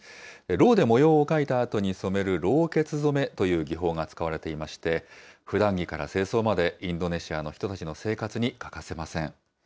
ろうで模様を描いたあとに染めるろうけつ染めという技法が使われていまして、ふだん着から正装まで、インドネシアの人たちの生活に欠かせません。